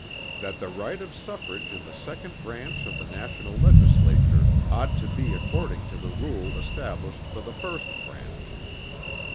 "That the right of suffrage in the second branch of the national legislature ought to be according to the rule established for the first branch."